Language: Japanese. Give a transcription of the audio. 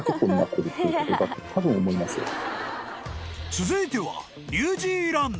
［続いては］